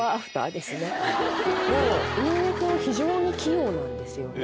井上君は非常に器用なんですよね。